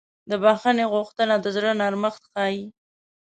د بښنې غوښتنه د زړه نرمښت ښیي.